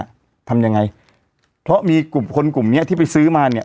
ทำยังไงเพราะมีกลุ่มคนกลุ่มเนี้ยที่ไปซื้อมาเนี้ย